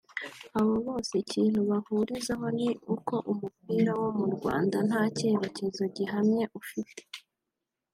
Aba bose ikintu bahurizaho ni uko umupira wo mu Rwanda nta cyerekezo gihamye ufite